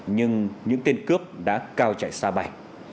nhưng những tên cướp đã cao chạy xa bài